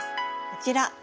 こちら。